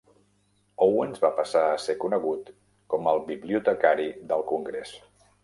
Owens va passar a ser conegut com el "bibliotecari del Congrés".